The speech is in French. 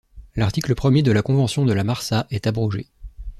L’article premier de la convention de La Marsa est abrogé.